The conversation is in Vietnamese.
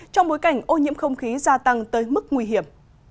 trong bối cảnh ô nhiễm không khí gia tăng tới mức nguy hiểm